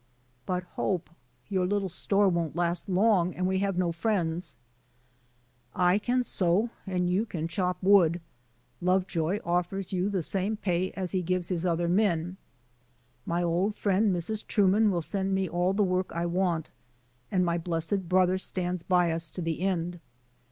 "But, Hope, your little store won't last long, and we have no friends." " I can sew and you can chop wood. Lovejoy 1 offers you the same pay as he gives his other men ;| my old friend, Mrs. Truman, will send me all * the work I want; and my blessed brother stands by us to the end.